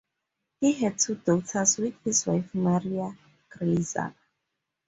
He had two daughters with his wife Maria Grazia.